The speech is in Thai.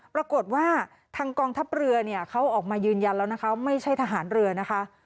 ปรากฏว่าทางกองทัพเรือเนี่ยเขาออกมายืนยันแล้วนะคะไม่ใช่ทหารเรือนะคะ